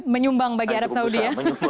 menyumbang bagi arab saudi ya